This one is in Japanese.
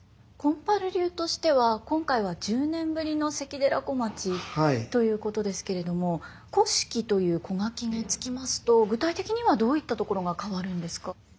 金春流としては今回は１０年ぶりの「関寺小町」ということですけれども「古式」という小書がつきますと具体的にはどういったところが変わるんですか？